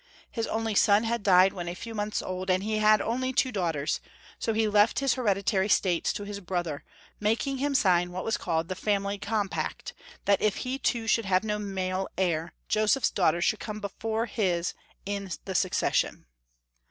His only son had died when a few months old, and he had only two daughters ; so he left his hereditary states to his brother, making him sign what was called the Family Compact, that if he too should have no male heir, Joseph's daughter should come before his in the succession.